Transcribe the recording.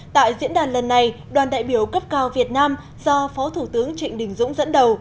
tại diễn đàn lần này đoàn đại biểu cấp cao việt nam do phó thủ tướng trịnh đình dũng dẫn đầu